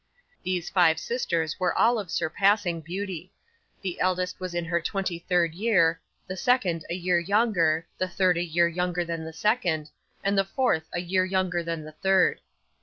'These five sisters were all of surpassing beauty. The eldest was in her twenty third year, the second a year younger, the third a year younger than the second, and the fourth a year younger than the third.